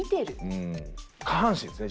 下半身ですね